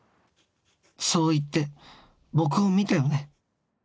そう言って僕を見たよね。